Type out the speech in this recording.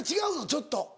ちょっと。